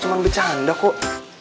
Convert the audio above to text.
cuma bercanda kok